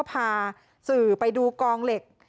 พาสื่อไปดูกองเหล็ก